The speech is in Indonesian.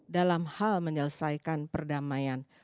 dalam hal menyelesaikan perdamaian